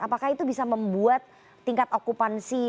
apakah itu bisa membuat tingkat okupansi